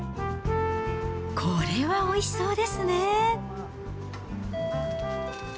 これはおいしそうですね。